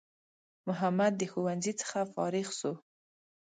محمد د ښوونځی څخه فارغ سو